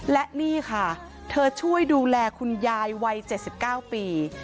และนี่ค่ะเธอช่วยดูแลคุณยายวัย๗๙ปี